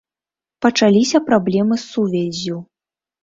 Пачаліся праблемы з сувяззю.